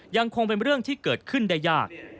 ยังคงเป็นเรื่องที่เกิดขึ้นได้ยาก